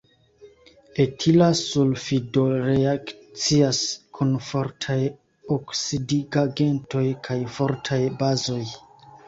Etila sulfido reakcias kun fortaj oksidigagentoj kaj fortaj bazoj.